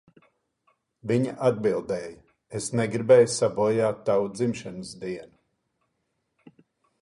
Viņa atbildēja, "Es negribēju sabojāt tavu dzimšanas dienu."